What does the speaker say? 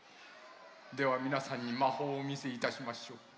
ではみなさんにまほうをおみせいたしましょう。